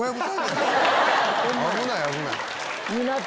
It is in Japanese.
危ない危ない。